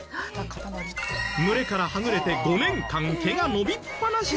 群れからはぐれて５年間毛が伸びっぱなしだった羊。